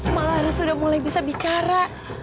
malah harus sudah mulai bisa bicara